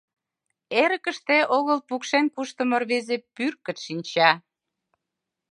Эрыкыште огыл пукшен куштымо рвезе пӱркыт шинча...